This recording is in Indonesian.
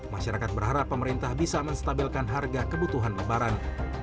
masyarakat berharap pemerintah bisa menstabilkan harga kebutuhan lebaran